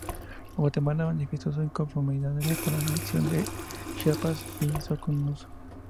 Guatemala manifestó su inconformidad por la anexión de Chiapas y el Soconusco.